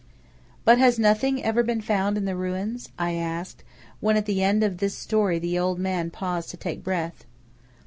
"But has nothing ever been found in the ruins?" I asked, when at the end of this story the old man paused to take breath.